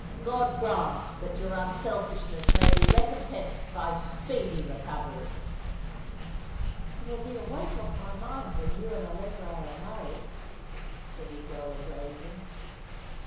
God grant that your unselfishness may be recompensed by speedy recovery !" "There will be a weight off my mind when you and Allegra are married," said Isola, gravely.